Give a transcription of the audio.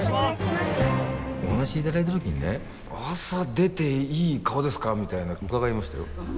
お話いただいた時にね朝出ていい顔ですかみたいな伺いましたよ。